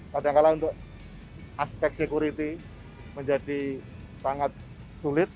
kadang kadang untuk aspek security menjadi sangat sulit